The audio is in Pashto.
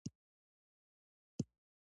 افغانستان کې واوره د چاپېریال د تغیر نښه ده.